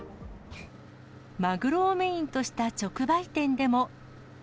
マグロをメインとした直売店でも。